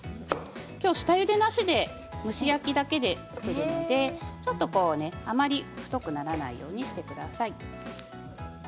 きょうは下ゆでなしで蒸し焼きだけで作るのでちょっとあまり太くならないようにしてください。